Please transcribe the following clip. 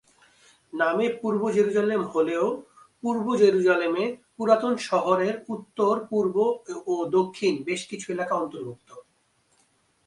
নামে পূর্ব জেরুসালেম হলেও পূর্ব জেরুসালেমে পুরাতন শহরের উত্তর, পূর্ব ও দক্ষিণের বেশ কিছু এলাকা অন্তর্ভুক্ত।